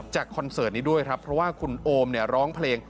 จากคอนเสิร์ตนี้ด้วยครับเพราะว่าคุณโอมร้องแบบ